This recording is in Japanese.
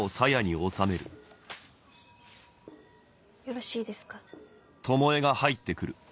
よろしいですか。